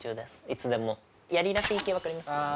いつでもやりらふぃー系分かります？